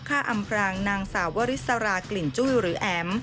อำพรางนางสาววริสรากลิ่นจุ้ยหรือแอ๋ม